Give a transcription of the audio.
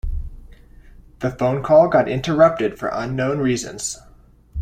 The phone call got interrupted for unknown reasons.